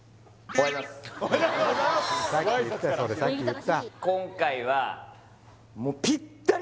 さっき言ったよ